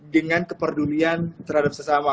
dengan kepedulian terhadap sesama